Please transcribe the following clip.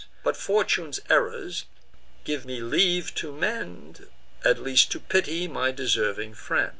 But fortune's errors give me leave to mend, At least to pity my deserving friend."